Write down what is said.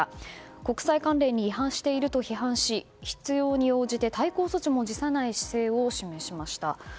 国際慣例に違反していると批判し必要に応じて対抗措置も辞さない姿勢を示しました。